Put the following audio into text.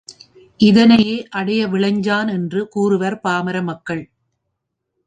இதனையே அடைய விளைஞ்சான் என்றும் கூறுவர் பாமர் மக்கள்.